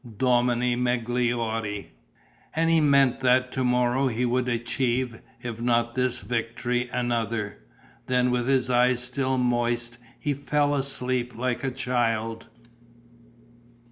"Domani megliore...." And he meant that to morrow he would achieve, if not this victory, another. Then, with eyes still moist, he fell asleep like a child.